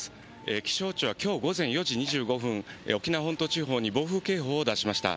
気象庁はきょう午後、沖縄本島地方に暴風警報を出しました。